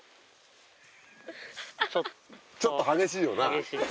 ちょっと激しいよな？